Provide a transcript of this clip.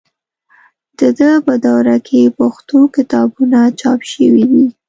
د ده په دوره کې پښتو کتابونه چاپ شوي دي.